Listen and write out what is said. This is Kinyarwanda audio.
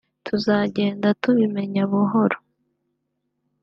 tuzagenda tubimenya buhoro